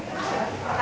bubur kambil iya